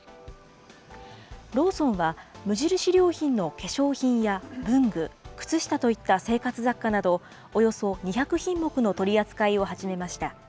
ローソンは、無印良品の化粧品や文具、靴下といった生活雑貨などおよそ２００品目の取り扱いを始めました。